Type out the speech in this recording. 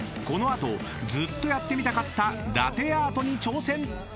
［この後ずっとやってみたかったラテアートに挑戦！］